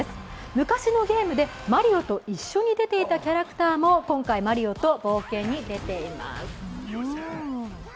昔のゲームでマリオと一緒に出ていたキャラクターも今回マリオと一緒に冒険に出ています。